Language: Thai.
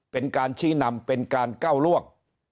เป็นการชี้นำเป็นการก้าวล่วง